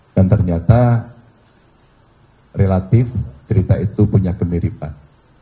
dan ternyata relatif cerita itu punya kemiripan